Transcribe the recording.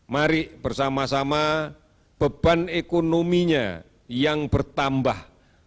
mari bersama sama beban ekonominya yang bertambah